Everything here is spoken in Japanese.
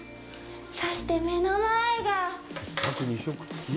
そして、目の前が。